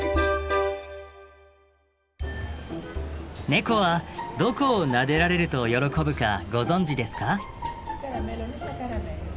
ネコはどこをなでられると喜ぶかご存じですか？